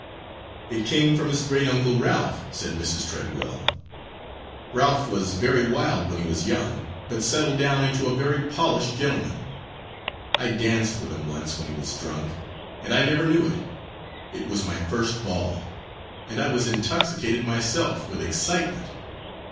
"It came from his great uncle Ralph," said Mrs. Treadwell. "Ralph was very wild when he was young, but settled down into a very polished gentleman. I danced with him once when he was drunk, and I never knew it it was my first ball, and I was intoxicated myself, with excitement.